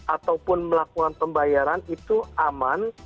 ataupun melakukan pembayaran itu aman